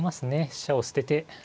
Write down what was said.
飛車を捨てて。